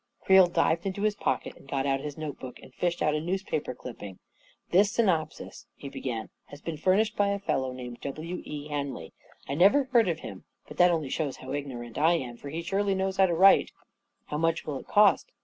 Creel dived into his pocket and got out his note book and fished out a newspaper clipping. " This synopsis/' he began, " has been furnished by a fellow 'named W. E. Henley. I never heard of him — but that only shows how ignorant I am, for he surely knows how to write I "" How much will it cost